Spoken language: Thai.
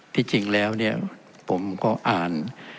ที่จริงแล้วเนี่ยผมก็อ่าน